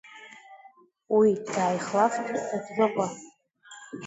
Уи дааихлафт Дадрыҟәа.